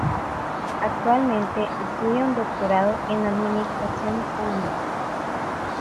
Actualmente estudia un doctorado en Administración Pública.